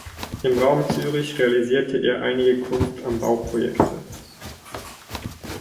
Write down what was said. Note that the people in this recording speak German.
Im Raum Zürich realisierte er einige Kunst am Bau-Projekte.